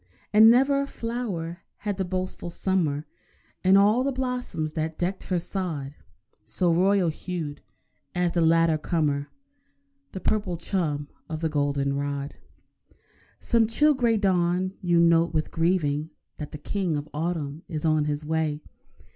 And never a flower had the boastful summer, In all the blossoms that decked her sod, So royal hued as that later comer The purple chum of the goldenrod. Some chill grey dawn you note with grieving That the King of Autumn is on his way.